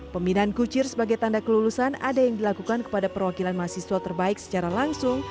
pembinaan kucir sebagai tanda kelulusan ada yang dilakukan kepada perwakilan mahasiswa terbaik secara langsung